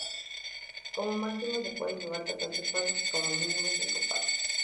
Como máximo se pueden llevar catorce palos y como mínimo cinco palos.